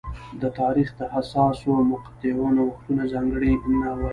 د تاریخ د حساسو مقطعو نوښتونه ځانګړنه وې.